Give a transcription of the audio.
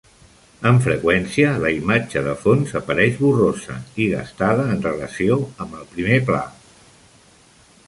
Amb freqüència, la imatge de fons apareix borrosa i gastada en relació amb el primer pla.